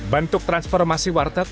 bentuk transformasi warteg